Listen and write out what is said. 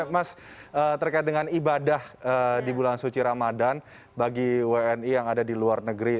mas terkait dengan ibadah di bulan suci ramadan bagi wni yang ada di luar negeri